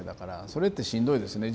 それってしんどいですね